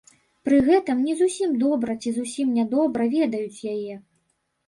Пры гэтым не зусім добра ці зусім нядобра ведаюць яе.